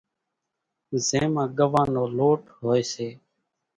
زين مان ڳوان نو لوٽ ھوئي سي،